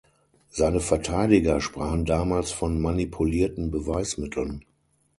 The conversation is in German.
Seine Verteidiger sprachen damals von manipulierten Beweismitteln.